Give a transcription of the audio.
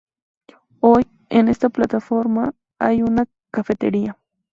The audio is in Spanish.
Hoy, en esta plataforma hay una cafetería.